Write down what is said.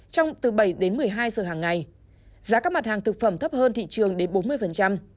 trong từ bảy đến một mươi hai giờ hàng ngày giá các mặt hàng thực phẩm thấp hơn thị trường đến bốn mươi